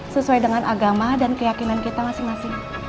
sesuai dengan agama dan keyakinan kita masing masing